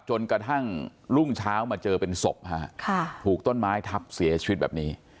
จนกระทั่งรุ่งเช้ามาเจอเป็นศพถูกต้นไม้ทับเสียชีวิตแบบนี้